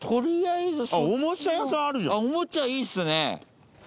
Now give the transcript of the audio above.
おもちゃいいっすね。